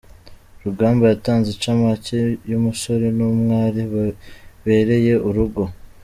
Rugamba yatanze incamake y’umusore n’umwari babereye urugo.